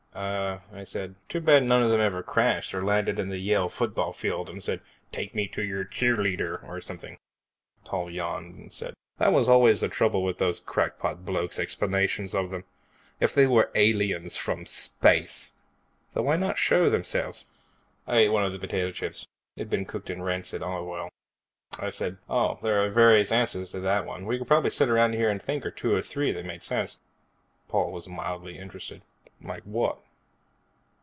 "Ummmm," I said. "Too bad none of them ever crashed, or landed on the Yale football field and said Take me to your cheerleader, or something." Paul yawned and said, "That was always the trouble with those crackpot blokes' explanations of them. If they were aliens from space, then why not show themselves?" I ate one of the potato chips. It'd been cooked in rancid olive oil. I said, "Oh, there are various answers to that one. We could probably sit around here and think of two or three that made sense." Paul was mildly interested. "Like what?"